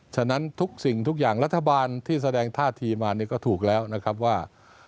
ฉะนั้นทุกสิ่งทุกอย่างรัฐบาลที่แสดงท่าทีมานี่ก็ถูกแล้วนะครับว่า